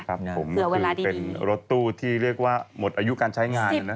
เผื่อเวลาดีนี้นะครับผมคือเป็นรถตู้ที่เรียกว่าหมดอายุการใช้งาน